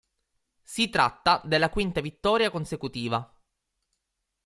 Si tratta della quinta vittoria consecutiva.